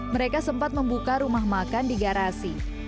mereka sempat membuka rumah makan di garasi